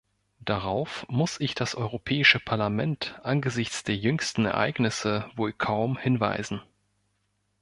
Darauf muss ich das Europäische Parlament angesichts der jüngsten Ereignisse wohl kaum hinweisen.